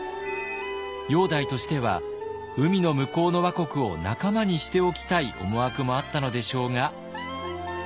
煬帝としては海の向こうの倭国を仲間にしておきたい思惑もあったのでしょうが。